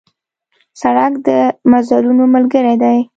سړک د مزلونو ملګری دی.